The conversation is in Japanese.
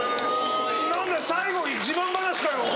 何だよ最後自慢話かよ！